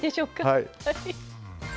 はい。